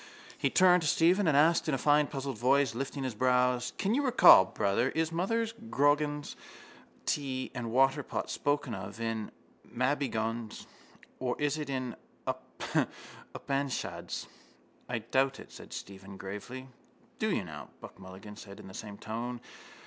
He turned to Stephen and asked in a fine puzzled voice, lifting his brows: —Can you recall, brother, is mother Grogan's tea and water pot spoken of in the Mabinogion or is it in the Upanishads? —I doubt it, said Stephen gravely. —Do you now? Buck Mulligan said in the same tone.